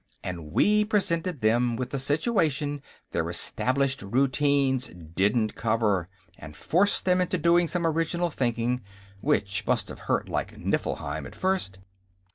And we presented them with a situation their established routines didn't cover, and forced them into doing some original thinking, which must have hurt like Nifflheim at first.